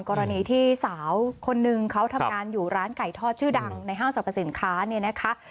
กรณีที่สาวคนนึงเขาทำงานอยู่ร้านไก่ทอดชื่อดังในห้างสรรพสินค้าเนี่ยนะคะ